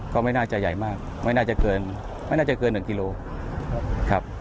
ก็ไม่น่าจะใหญ่มากไม่น่าจะเกิน๑กิโลกรัมครับ